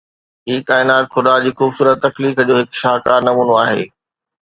هي ڪائنات خدا جي خوبصورت تخليق جو هڪ شاهڪار نمونو آهي